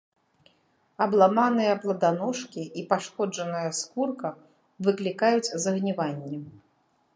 Абламаныя пладаножкі і пашкоджаная скурка выклікаюць загніванне.